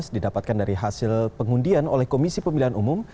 didapatkan dari hasil pengundian oleh komisi pemilihan umum